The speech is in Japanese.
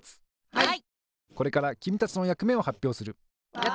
はい！